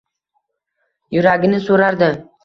Yuragini so’rardi.